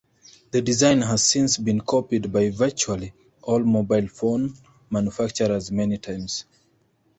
The design has since been copied by virtually all mobile phone manufacturers many times.